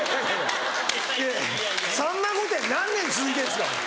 いやいや『さんま御殿‼』何年続いてんですか！